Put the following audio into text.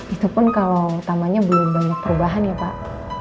itu pun kalau utamanya belum banyak perubahan ya pak